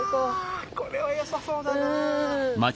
あこれは良さそうだな。